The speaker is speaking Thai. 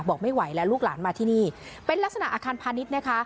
บอกไม่ไหวแล้วลูกหลานมาที่นี่เป็นลักษณะอาคารพาณิชย์นะคะ